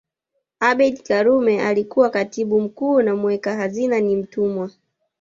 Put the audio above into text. Abeid Karume alikuwa Katibu mkuu na muweka hazina ni Mtumwa